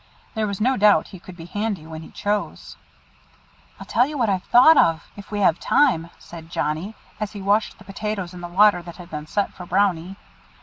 There was no doubt he could be handy when he chose. "I'll tell you what I've thought of, if we have time," said Johnnie, as he washed the potatoes in the water that had been set for Brownie.